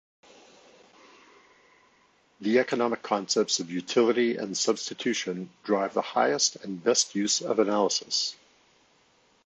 The economic concepts of utility and substitution drive the highest and best use analysis.